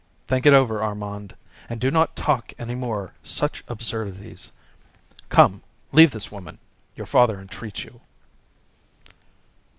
Think it over, Armand, and do not talk any more such absurdities. Come, leave this woman; your father entreats you."